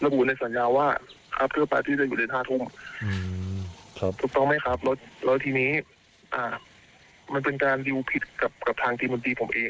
มันเป็นการริ้วผิดกับทางทีมนตรีผมเอง